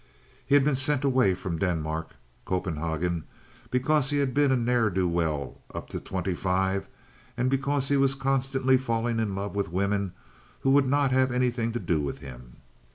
He had been sent away from Denmark (Copenhagen) because he had been a never do well up to twenty five and because he was constantly falling in love with women who would not have anything to do with him.